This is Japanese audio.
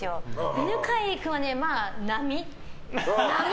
犬飼君は並。